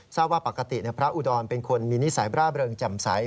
ทราบว่าปกติพระอุดรเป็นคนมีนิสัยบร่าเริงแจ่มใส